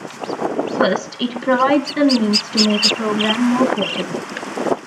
First, it provides a means to make a program more portable.